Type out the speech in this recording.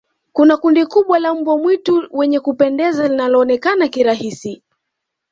kuna kundi kubwa la mbwa mwitu wenye kupendeza linaloonekana kirahisi